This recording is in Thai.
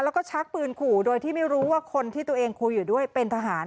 แล้วก็ชักปืนขู่โดยที่ไม่รู้ว่าคนที่ตัวเองคุยอยู่ด้วยเป็นทหาร